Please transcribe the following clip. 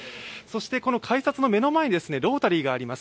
この改札の目の前にロータリーがあります。